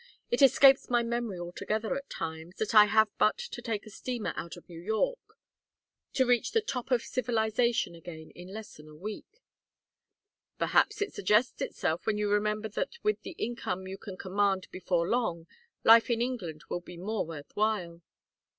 It escapes my memory altogether at times, that I have but to take a steamer out of New York to reach the top of civilization again in less than a week." "Perhaps it suggests itself when you remember that with the income you can command before long, life in England will be more worth while."